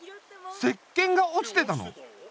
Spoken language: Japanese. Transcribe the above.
石けんが落ちてたの？